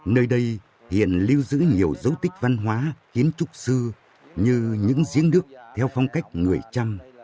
nơi đây hiện lưu giữ nhiều dấu tích văn hóa kiến trúc xưa như những diễn nước theo phong cách người chăm